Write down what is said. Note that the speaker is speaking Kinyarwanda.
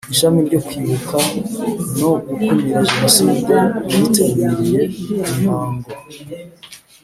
Ishami ryo Kwibuka no gukumira Jenoside ryitabiriye imihango